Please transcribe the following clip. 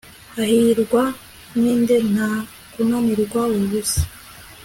Hahirwa ninde nta kunanirwa ubusa